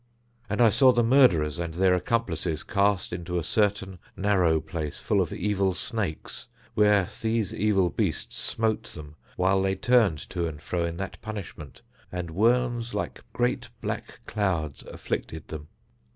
And I saw the murderers and their accomplices cast into a certain narrow place full of evil snakes where these evil beasts smote them while they turned to and fro in that punishment, and worms like great black clouds afflicted them.